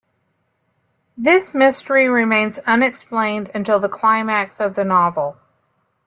This mystery remains unexplained until the climax of the novel.